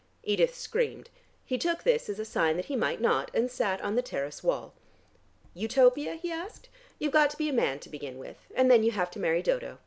Edith screamed. He took this as a sign that he might not, and sat on the terrace wall. "Utopia?" he asked. "You've got to be a man to begin with and then you have to marry Dodo.